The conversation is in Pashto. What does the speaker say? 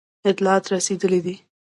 اطلاعات رسېدلي دي.